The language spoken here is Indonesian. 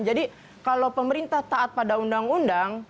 jadi kalau pemerintah taat pada undang undang